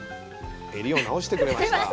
襟を直してくれました。